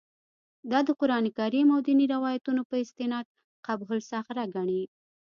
دا د قران کریم او دیني روایتونو په استناد قبه الصخره ګڼي.